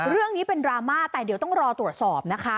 เรื่องนี้เป็นดราม่าแต่เดี๋ยวต้องรอตรวจสอบนะคะ